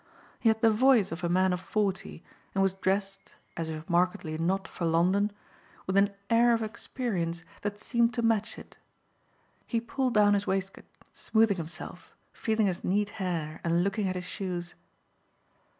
He had the voice of a man of forty and was dressed as if markedly not for London with an air of experience that seemed to match it. He pulled down his waistcoat, smoothing himself, feeling his neat hair and looking at his shoes.